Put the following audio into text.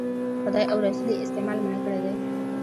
خدای او رسول یې استعمال منع کړی دی.